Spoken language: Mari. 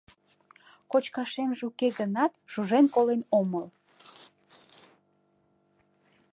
Кочкашемже уке гынат, шужен колен омыл.